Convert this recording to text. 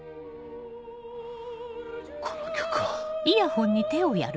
この曲は。